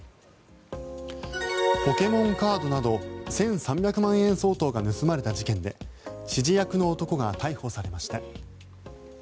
ポケモンカードなど１３００万円相当が盗まれた事件で指示役の男が逮捕されました。